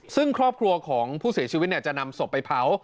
ซึ่งครอบครัวของผู้เสียชีวิตจะนำศพไปเผา